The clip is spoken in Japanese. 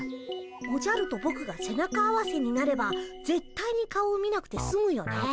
おじゃるとぼくが背中合わせになればぜったいに顔を見なくてすむよね。